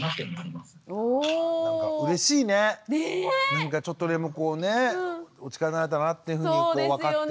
なんかちょっとでもこうねお力になれたなっていうふうに分かって。